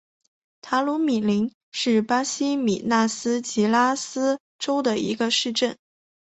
塔鲁米林是巴西米纳斯吉拉斯州的一个市镇。